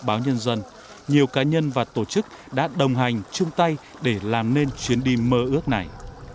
báo nhân dân nhiều cá nhân và tổ chức đã đồng hành chung tay để làm nên chuyến đi mơ ước này